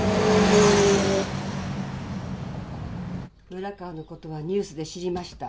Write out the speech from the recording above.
村川のことはニュースで知りました。